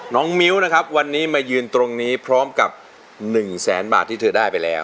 น้องมิ้วนะครับวันนี้มายืนตรงนี้พร้อมกับ๑แสนบาทที่เธอได้ไปแล้ว